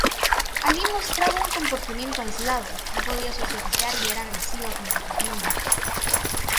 Allí mostraba un comportamiento aislado, no podía socializar y era agresiva con otros niños.